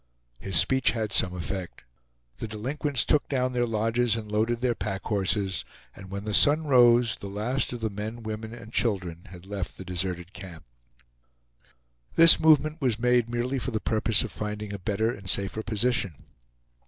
His speech had some effect. The delinquents took down their lodges and loaded their pack horses; and when the sun rose, the last of the men, women, and children had left the deserted camp. This movement was made merely for the purpose of finding a better and safer position.